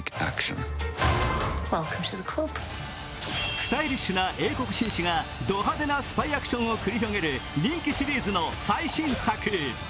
スタイリッシュな英国紳士がド派手なスパイアクションを繰り広げる人気シリーズの最新作。